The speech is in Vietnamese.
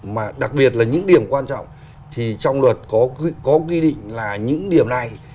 mà đặc biệt là những điểm quan trọng thì trong luật có quy định là những điểm này